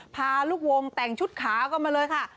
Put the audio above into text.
พาลูกวงแต่งชุดขากันมาเลยค่ะ